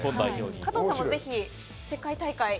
加藤さんも、ぜひ世界大会。